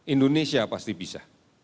indonesia pasti bisa